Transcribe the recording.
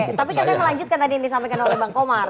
oke tapi saya melanjutkan tadi yang disampaikan oleh bang komar